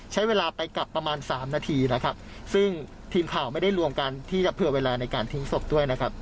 ใช้เวลาไปกลับประมาณสามนาทีนะครับซึ่งทีมข่าวไม่ได้รวมกันที่จะเผื่อเวลาในการทิ้งศพด้วยนะครับ